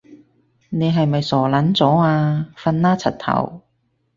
你係咪傻撚咗啊？瞓啦柒頭